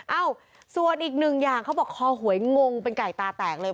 เอ้าส่วนอีกหนึ่งอย่างเขาบอกคอหวยงงเป็นไก่ตาแตกเลย